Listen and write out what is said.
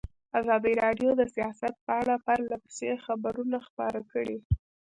ازادي راډیو د سیاست په اړه پرله پسې خبرونه خپاره کړي.